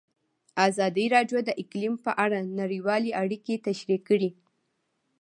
ازادي راډیو د اقلیم په اړه نړیوالې اړیکې تشریح کړي.